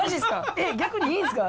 えっ逆にいいんですか？